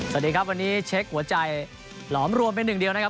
สวัสดีครับวันนี้เช็คหัวใจหลอมรวมเป็นหนึ่งเดียวนะครับ